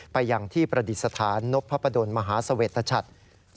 ไปอย่างที่ประดิษฐานนพพะดนตร์มหาเสวตชัตต์